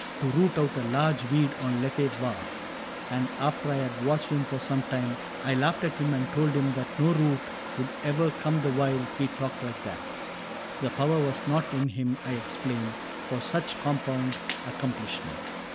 To root out a large weed on Lethe wharf; And after I had watched him for some time, I laughed at him and told him that no root Would ever come the while he talked like that : The power was not in him, I explained. For such compound accomplishment.